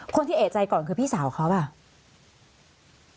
คนที่เอกใจก่อนคือพี่สาวเขาเปล่า